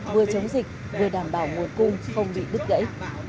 vừa chống dịch vừa đảm bảo nguồn cung không bị đứt gãy